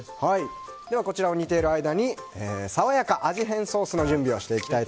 こちらを似ている間に爽やか味変ソースの準備です。